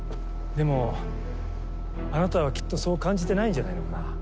でもあなたはきっとそう感じてないんじゃないのかな。